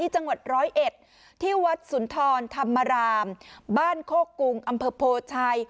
จังหวัดร้อยเอ็ดที่วัดสุนทรธรรมรามบ้านโคกรุงอำเภอโพชัย